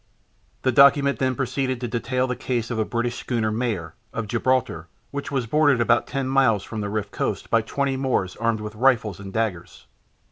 The document then proceeded to detail the case of the British schooner Mayer, of Gibraltar, which was boarded about 10 miles from the Riff coast by twenty Moors armed with rifles and daggers.